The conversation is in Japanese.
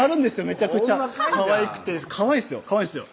めちゃくちゃかわいくてかわいいんですよ